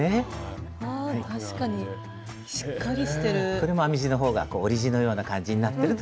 これも編み地の方が織り地のような感じになっていると思います。